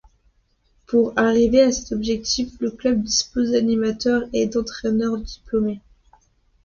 Pour arriver à cet objectif, le club dispose d'animateurs et d'entraineurs diplômés.